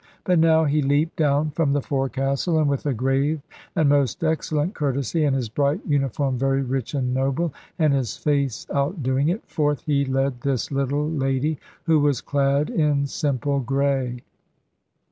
But now he leaped down from the forecastle, and with a grave and most excellent courtesy, and his bright uniform very rich and noble, and his face outdoing it, forth he led this little lady, who was clad in simple grey.